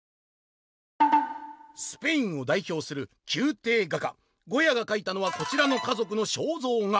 「スペインをだいひょうするきゅうてい画家ゴヤが描いたのはこちらの家族の肖像画」。